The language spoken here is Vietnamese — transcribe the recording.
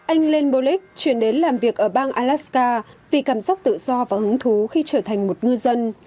anh len bullock chuyển đến làm việc ở bang alaska vì cảm giác tự do và hứng thú khi trở thành một ngư dân